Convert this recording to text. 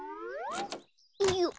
よっ。